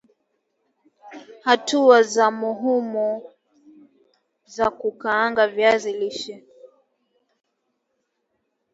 Hatua za muhumu za kukaanga viazi lishe